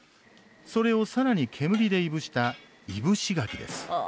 それをさらに煙でいぶしたいぶし柿です。